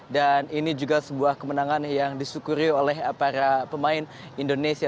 dan ini juga sebuah kemenangan yang disyukuri oleh para pemain indonesia